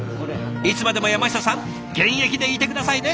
いつまでも山下さん現役でいて下さいね！